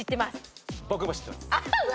僕も知ってます。